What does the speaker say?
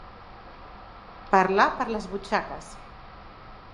Parlar per les butxaques.